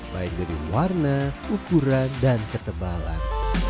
baik dari warna ukuran dan ketebalan